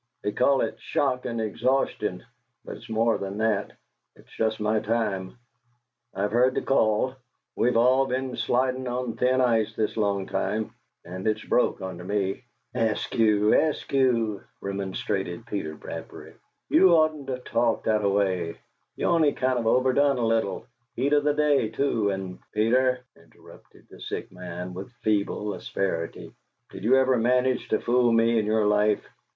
"They call it 'shock and exhaustion'; but it's more than that. It's just my time. I've heard the call. We've all been slidin' on thin ice this long time and it's broke under me " "Eskew, Eskew!" remonstrated Peter Bradbury. "You'd oughtn't to talk that a way! You only kind of overdone a little heat o' the day, too, and " "Peter," interrupted the sick man, with feeble asperity, "did you ever manage to fool me in your life?"